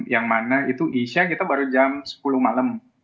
yang mana itu asia kita baru jam sepuluh malam